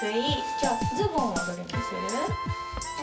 きょうズボンはどれにする？